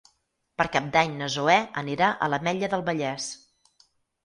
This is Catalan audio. Per Cap d'Any na Zoè anirà a l'Ametlla del Vallès.